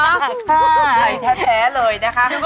ใช่ค่ะไทยแท้เลยนะคะโอเคค่ะไทยแท้เลยนะคะ